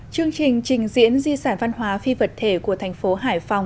chương trình trình diễn di sản văn hóa phi vật thể của thành phố hải phòng